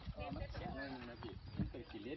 ขับทางนี้อยู่ที่นี่คือแทน